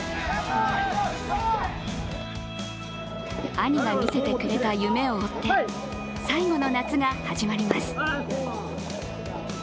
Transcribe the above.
兄が見せてくれた夢を追って最後の夏が始まります。